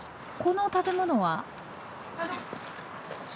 この建物は？